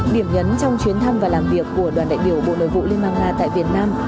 điểm nhấn trong chuyến thăm và làm việc của đoàn đại biểu bộ nội vụ liên bang nga tại việt nam